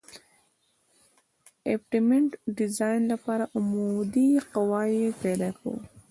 د ابټمنټ ډیزاین لپاره عمودي قواوې پیدا کوو